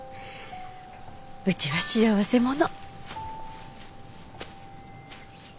うちは幸せ者。